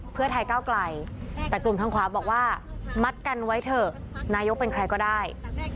เพื่อไทยก้าวไกลแต่กลุ่มทางขวาบอกว่ามัดกันไว้เถอะนายกเป็นใครก็ได้